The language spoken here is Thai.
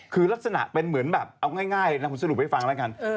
คือลักษณะเป็นเหมือนแบบเอาง่ายนะผมสรุปให้ฟังแล้วกัน